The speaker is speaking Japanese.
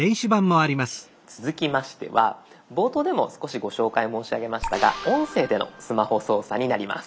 続きましては冒頭でも少しご紹介申し上げましたが音声でのスマホ操作になります。